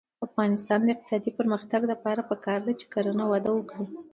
د افغانستان د اقتصادي پرمختګ لپاره پکار ده چې کرنه وده وکړي.